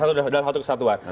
satu dalam satu kesatuan